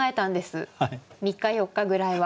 ３日４日ぐらいは。